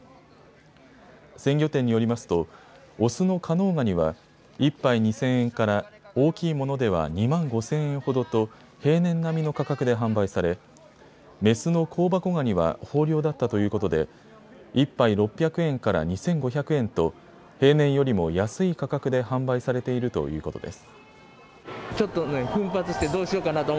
鮮魚店によりますと雄の加能ガニは１杯２０００円から大きいものでは２万５０００円ほどと平年並みの価格で販売され雌の香箱ガニは豊漁だったということで１杯６００円から２５００円と平年よりも安い価格で販売されているということです。